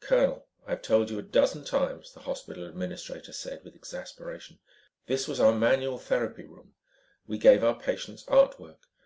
"Colonel, I've told you a dozen times," the hospital administrator said with exasperation, "this was our manual therapy room. We gave our patients art work.